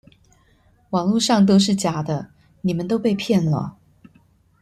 網路上都是假的，你們都被騙了